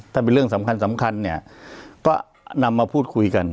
ถ้าเป็นเรื่องสำคัญสำคัญเนี่ยก็นำมาพูดคุยกัน